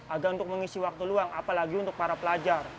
ada untuk mengisi waktu luang apalagi untuk para pelajar